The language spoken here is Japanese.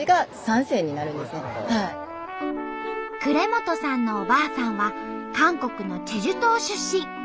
呉本さんのおばあさんは韓国のチェジュ島出身。